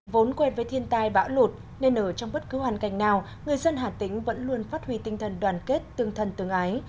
vốn quen với thiên tai bão lụt nên ở trong bất cứ hoàn cảnh nào người dân hà tĩnh vẫn luôn phát huy tinh thần đoàn kết tương thân tương ái